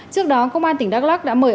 trước đó công an tỉnh đắk lắc đã mời